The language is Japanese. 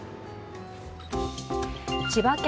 千葉県